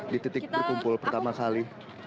di titik berkumpul pertama kali